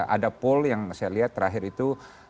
ada pool yang saya lihat terakhir itu